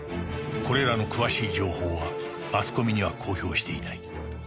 これらの詳しい情報はマスコミには公表していない